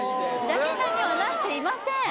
ジャケ写にはなっていません